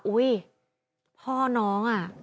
อุ้ยพ่อน้องอ่ะ